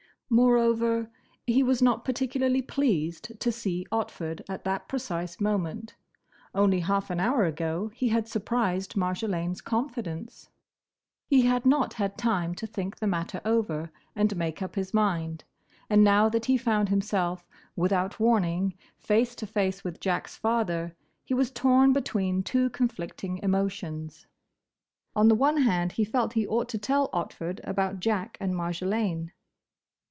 Moreover, he was not particularly pleased to see Otford at that precise moment. Only half an hour ago he had surprised Marjolaine's confidence. He had not had time to think the matter over and make up his mind, and now that he found himself without warning face to face with Jack's father, he was torn between two conflicting emotions. On the one hand he felt he ought to tell Otford about Jack and Marjolaine.